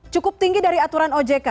cukup tinggi dari aturan ojk